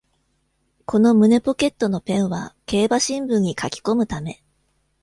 この胸ポケットのペンは競馬新聞に書きこむため